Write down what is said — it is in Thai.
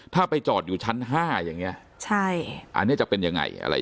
ถ้าไปจอดอยู่ชั้น๕อย่างนี้อันนี้จะเป็นอย่างไร